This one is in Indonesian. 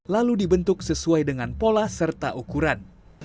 lalu dibentuk sesuai dengan pola serta ukuran